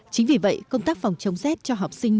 chính vì vậy công tác phòng chống rét cho học sinh